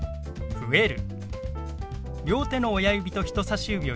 「増える」。